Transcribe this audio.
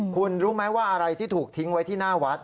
คุณรู้ไหมว่าอะไรที่ถูกทิ้งไว้ที่หน้าวัด